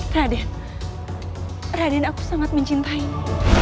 raden raden aku sangat mencintaimu